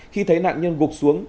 khi thấy nạn nhân gục xuống